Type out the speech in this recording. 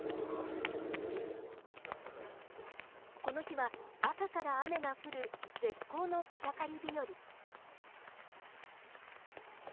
この日は朝から雨が降る絶好の草刈り日和。